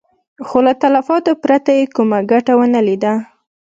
خو له تلفاتو پرته يې کومه ګټه ونه ليده.